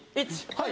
はい！